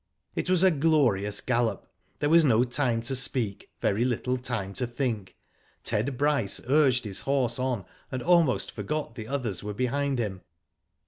It was a glorious gallop. There was no time to speak, very little time to think. Ted Bryce urged his horse on, and almost forgot the others were behind him.